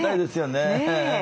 ねえ。